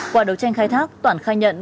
qua đấu tranh khai thác toản khai nhận